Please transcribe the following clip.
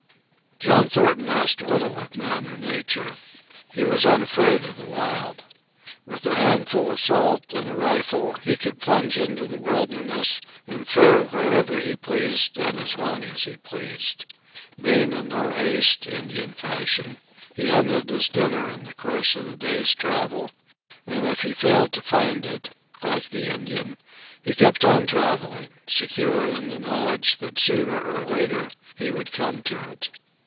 John Thornton asked little of man or nature. He was unafraid of the wild. With a handful of salt and a rifle he could plunge into the wilderness and fare wherever he pleased and as long as he pleased. Being in no haste, Indian fashion, he hunted his dinner in the course of the day's travel; and if he failed to find it, like the Indian, he kept on travelling, secure in the knowledge that sooner or later he would come to it.